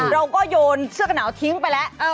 เราก็โยนเสื้อกะหนาวทิ้งไปแล้ว